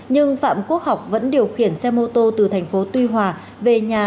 nhưng phạm quốc học vẫn điều khiển xe mô tô từ thành phố tuy hòa về nhà